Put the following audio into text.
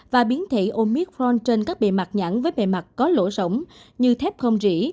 và biến thể omicron trên các bề mặt nhãn với bề mặt có lỗ rỗng như thép không rỉ